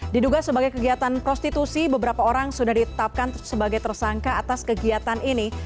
diduga sebagai kegiatan prostitusi beberapa orang sudah ditetapkan sebagai tersangka atas kegiatan ini